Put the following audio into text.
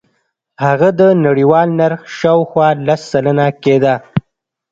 هغه د نړیوال نرخ شاوخوا لس سلنه کېده.